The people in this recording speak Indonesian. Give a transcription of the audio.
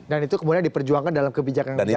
dan itu kemudian diperjuangkan dalam kebijakan politik